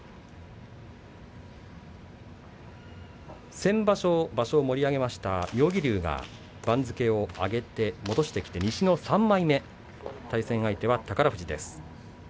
先場所、場所を盛り上げました妙義龍が番付を上げて戻して西の３枚目対戦相手は宝富士です。